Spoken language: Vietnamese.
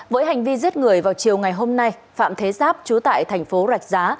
với hành vi giết người vào chiều ngày hôm nay phạm thế giáp chú tại thành phố rạch giá